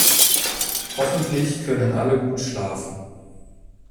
Hoffentlich können alle gut schlafen.